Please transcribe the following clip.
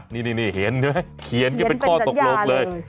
นี่เห็นไหมเขียนกันเป็นข้อตกลงเลย